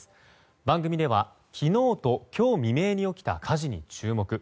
番組では昨日と今日未明に起きた火事に注目。